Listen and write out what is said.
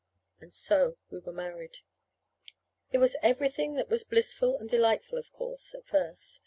And so we were married. It was everything that was blissful and delightful, of course, at first.